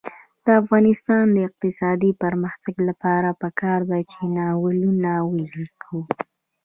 د افغانستان د اقتصادي پرمختګ لپاره پکار ده چې ناولونه ولیکو.